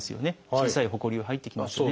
小さいほこりは入ってきますよね。